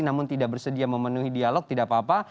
namun tidak bersedia memenuhi dialog tidak apa apa